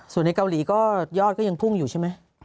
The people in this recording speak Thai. ส่วนในเกาหลีก็ยอดก็ยังพุ่งอยู่ใช่ไหม